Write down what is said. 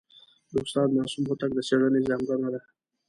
د استاد معصوم هوتک د څېړني ځانګړنه ده.